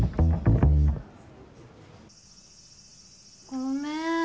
ごめん。